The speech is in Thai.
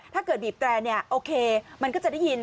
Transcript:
ถ้าเกิดบีบแตรโอเคมันก็จะได้ยิน